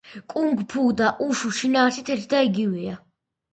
კუნგ-ფუ და უშუ შინაარსით ერთი და იგივეა.